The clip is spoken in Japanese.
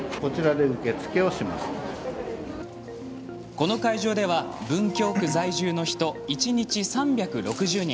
この会場では文京区在住の人一日３６０人